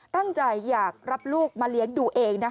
ตั้งใจอยากรับลูกมาเลี้ยงดูเอง